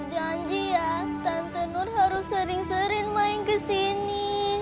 janji ya tante nur harus sering sering main ke sini